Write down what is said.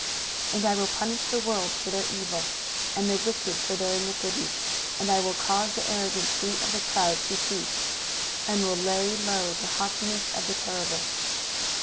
23:013:011 And I will punish the world for their evil, and the wicked for their iniquity; and I will cause the arrogancy of the proud to cease, and will lay low the haughtiness of the terrible.